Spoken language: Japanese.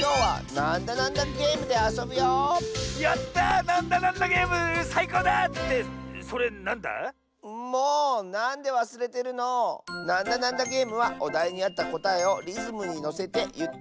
「なんだなんだゲーム」はおだいにあったこたえをリズムにのせていっていくゲームだよ。